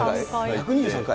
１２３回？